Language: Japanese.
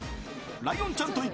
ライオンちゃんと行く！